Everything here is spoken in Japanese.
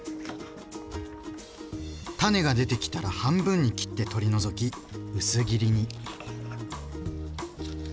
種が出てきたら半分に切って取り除き薄切りに。